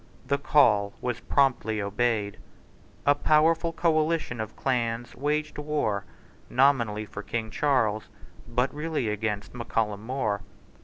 The call was promptly obeyed. A powerful coalition of clans waged war, nominally for King Charles, but really against Mac Callum More.